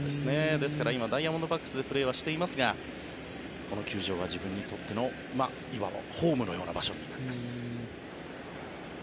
ですから今ダイヤモンドバックスでプレーはしていますがこの球場は自分にとってのいわばホームのような場所になります。